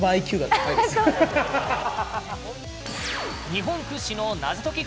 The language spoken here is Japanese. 日本屈指の謎解き